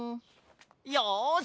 よし！